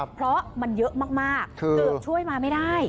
เพราะมันเยอะมากเกือบช่วยมาไม่ได้